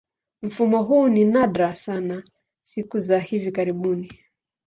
Mfumo huu ni nadra sana siku za hivi karibuni.